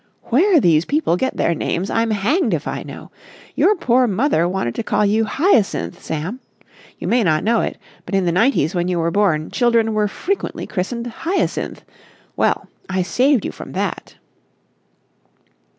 Where these people get their names I'm hanged if I know. Your poor mother wanted to call you Hyacinth, Sam. You may not know it, but in the 'nineties when you were born, children were frequently christened Hyacinth. Well, I saved you from that."